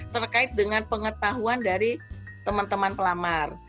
terkait dengan pengetahuan dari teman teman pelamar